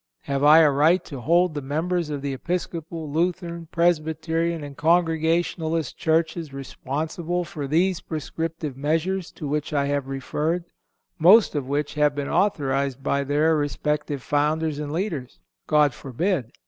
Have I a right to hold the members of the Episcopal, Lutheran, Presbyterian and Congregationalist churches responsible for these proscriptive measures to which I have referred, most of which have been authorized by their respective founders and leaders? God forbid!